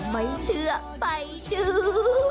ไม่เชื่อไปดู